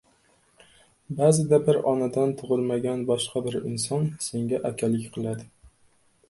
• Ba’zida bir onadan tug‘ilmagan boshqa bir inson senga akalik qiladi.